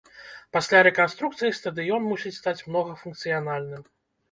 Пасля рэканструкцыі стадыён мусіць стаць многафункцыянальным.